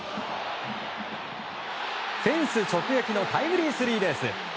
フェンス直撃のタイムリースリーベース！